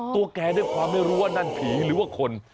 แกด้วยความไม่รู้ว่านั่นผีหรือว่าคน